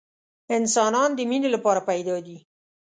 انسانان د مینې لپاره پیدا دي